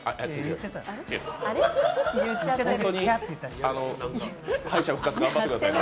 本当に敗者復活頑張ってくださいね。